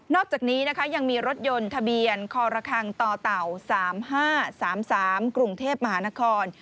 นอกจากนี้ยังมีรถยนต์ทะเบียนครต๓๕๓๓กรุงเทพมหานคร